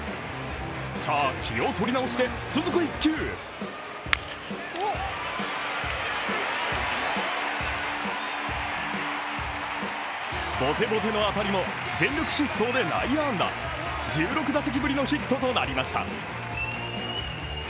さあ気を取り直して、続く一球ボテボテの当たりも全力疾走で内野安打、１６打席ぶりのヒットとなりました。